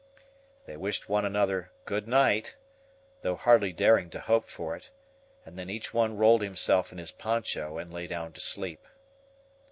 They wished one another "good night," though hardly daring to hope for it, and then each one rolled himself in his poncho and lay down to sleep.